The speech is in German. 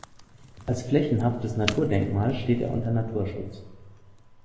Als flächenhaftes Naturdenkmal steht er unter Naturschutz.